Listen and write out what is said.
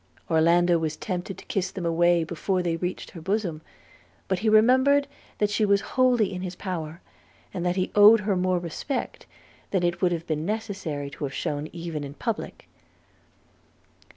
Orlando was tempted to kiss them away before they reached her bosom; but he remembered that she was wholly in his power, and that he owed her more respect than it would have been necessary to have shown even in public.